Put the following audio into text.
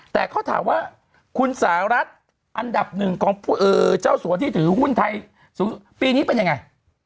แต่เขาถามว่าคุณสหรัฐอันดับหนึ่งของเจ้าสัวที่ถือหุ้นไทยปีนี้เป็นยังไง